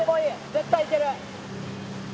絶対いける。